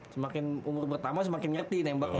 semakin umur bertambah semakin ngerti nembaknya